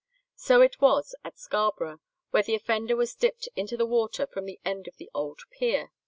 So it was at Scarborough, where the offender was dipped into the water from the end of the old pier.